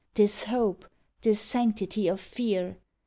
This hope, this sanctity of fear?